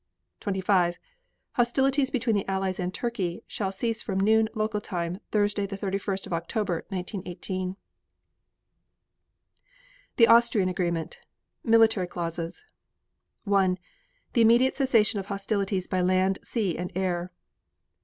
25. Hostilities between the Allies and Turkey shall cease from noon, local time, Thursday, the 31st of October, 1918. THE AUSTRIAN AGREEMENT Military Clauses 1. The immediate cessation of hostilities by land, sea and air.